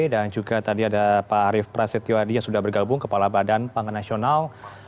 dan juga tadi ada pak arief prasetyo adi yang sudah bergabung kepala badan pangan nasional